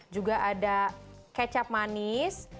juga ada kecap manis